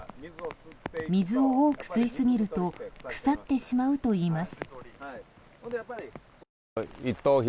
水を多く吸いすぎると腐ってしまうといいます。